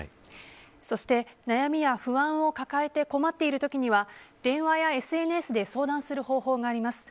そして、悩みや不安を抱えて困っている時には電話やＳＮＳで相談する方法があります。